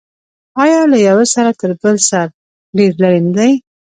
آیا له یوه سر تر بل سر ډیر لرې نه دی؟